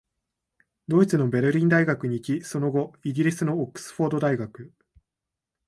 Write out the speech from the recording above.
ドイツのベルリン大学に行き、その後、イギリスのオックスフォード大学、